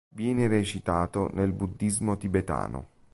Viene recitato nel Buddhismo tibetano.